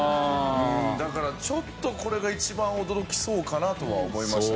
だからちょっとこれが一番驚きそうかなとは思いましたね。